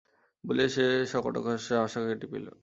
বলিয়া সে সকটাক্ষহাস্যে আশাকে টিপিল।